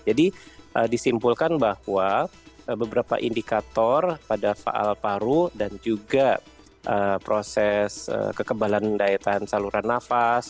jadi disimpulkan bahwa beberapa indikator pada faal paru dan juga proses kekebalan daya tahan saluran nafas